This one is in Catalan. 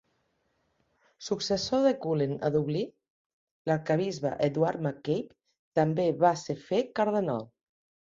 Successor de Cullen a Dublín, l'arquebisbe Edward MacCabe també va ser fet cardenal.